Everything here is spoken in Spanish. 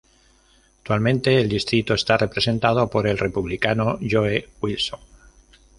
Actualmente el distrito está representado por el Republicano Joe Wilson.